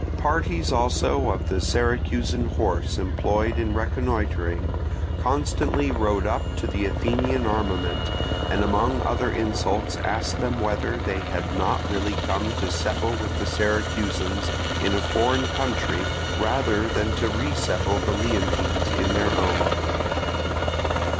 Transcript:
Parties also of the Syracusan horse employed in reconnoitring constantly rode up to the Athenian armament, and among other insults asked them whether they had not really come to settle with the Syracusans in a foreign country rather than to resettle the Leontines in their own.